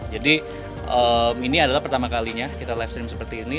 jadi ini adalah pertama kalinya kita live stream seperti ini